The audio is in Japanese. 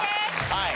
はい。